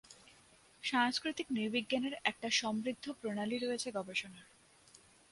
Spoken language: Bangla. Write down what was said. সাংস্কৃতিক নৃবিজ্ঞানের একটা সমৃদ্ধ প্রণালী রয়েছে গবেষণার।